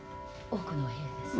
奥のお部屋です。